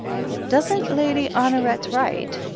"Doesn't Lady Honoret write?"